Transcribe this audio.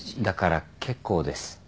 だから結構です。